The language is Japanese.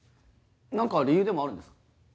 何か理由でもあるんです？